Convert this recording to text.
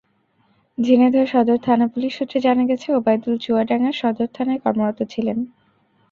ঝিনাইদহ সদর থানা-পুলিশ সূত্রে জানা গেছে, ওবাইদুল চুয়াডাঙ্গার সদর থানায় কর্মরত ছিলেন।